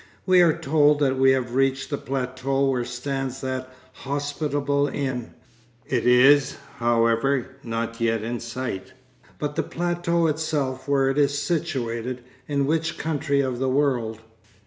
We are told that we have reached the plateau where stands that hospitable inn; it is, however, not yet in sight. But the plateau itself, where is it situated, in which country of the world?